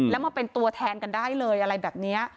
แล้วมาเป็นตัวแทนกันได้เลยอะไรแบบนี้